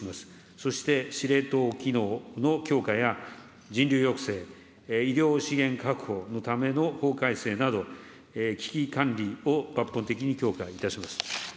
そして、司令塔機能の強化や人流抑制、医療資源確保のための法改正など、危機管理を抜本的に強化いたします。